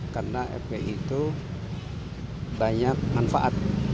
karena fbi itu banyak manfaat